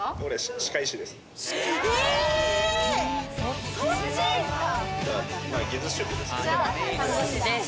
歯科医師です。